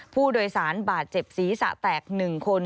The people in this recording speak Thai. ผู้โดยสารบาดเจ็บศีรษะแตก๑คน